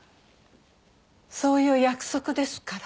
そういう約束ですから。